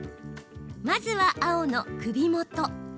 まずは、青の首元。